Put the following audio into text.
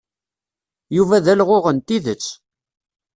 Yuba d alɣuɣ n tidet.